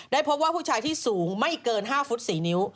พบว่าผู้ชายที่สูงไม่เกิน๕ฟุต๔นิ้ว